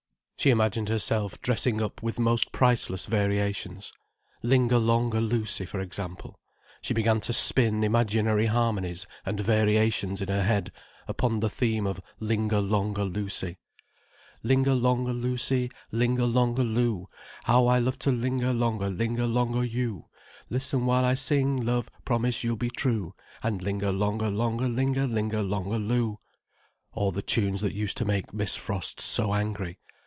She imagined herself dressing up with most priceless variations. Linger Longer Lucy, for example. She began to spin imaginary harmonies and variations in her head, upon the theme of Linger Longer Lucy. "Linger longer Lucy, linger longer Loo. How I love to linger longer linger long o' you. Listen while I sing, love, promise you'll be true, And linger longer longer linger linger longer Loo." All the tunes that used to make Miss Frost so angry.